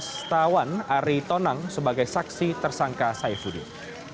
setawan ari tonang sebagai saksi tersangka saifuddin